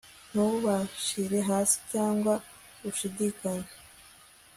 ntubashyire hasi cyangwa ushidikanya